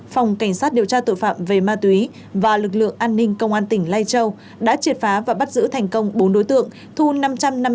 phòng cảnh sát điều tra tội phạm về ma túy và lực lượng an ninh công an tỉnh lai châu đã triệt phá và bắt giữ thành công bốn đối tượng